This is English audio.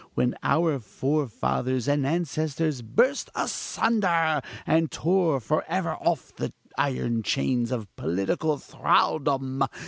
when our forefathers and ancestors burst asunder and tore forever off the iron chains of political thraldom!